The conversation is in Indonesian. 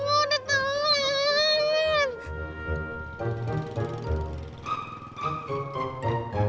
aaaa bunga udah telat